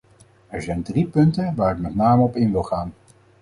Er zijn drie punten waar ik met name op in wil gaan.